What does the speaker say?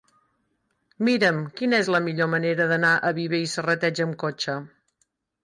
Mira'm quina és la millor manera d'anar a Viver i Serrateix amb cotxe.